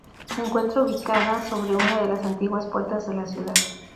Se encuentra ubicada sobre una de las antiguas puertas de la ciudad.